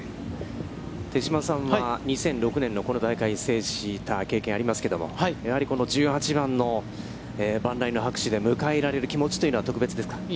手嶋さんは２００６年のこの大会を制した経験がありますけれども、やはりこの１８番の万雷の拍手で迎え入れられる気持ちというのは、特別ですか。